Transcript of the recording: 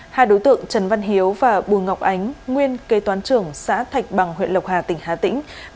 hai đối tượng trần văn hiếu và bùa ngọc ánh nguyên kê toán trưởng xã thạch bằng huyện lộc hà tỉnh hà tĩnh